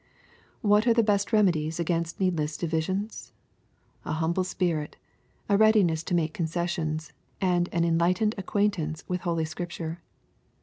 What are the best remedies against needless divisions ? A humble spirit, a readiness to make concessions, and an enlightened acquaintance with holy Scripture.